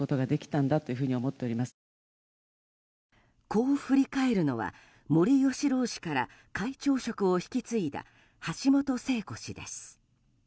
こう振り返るのは森喜朗氏から会長職を引き継いだ橋本聖子氏です。